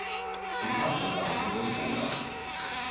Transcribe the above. Die Körperseiten sind rosa.